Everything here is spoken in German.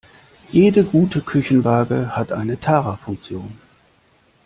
Jede gute Küchenwaage hat eine Tara-Funktion.